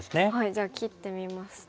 じゃあ切ってみますと。